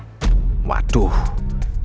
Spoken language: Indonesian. jangan jangan bu nawang mau nyusulin pak bos ke kantor